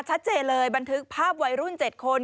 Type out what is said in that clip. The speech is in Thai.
ชัดเจนเลยบันทึกภาพวัยรุ่น๗คน